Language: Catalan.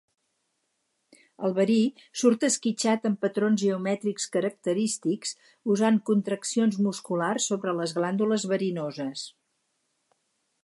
El verí surt esquitxat en patrons geomètrics característics, usant contraccions musculars sobre les glàndules verinoses.